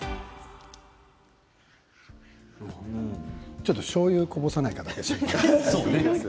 ちょっとしょうゆをこぼさないかだけ心配。